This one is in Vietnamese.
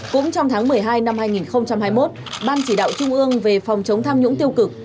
cũng trong tháng một mươi hai năm hai nghìn hai mươi một ban chỉ đạo trung ương về phòng chống tham nhũng tiêu cực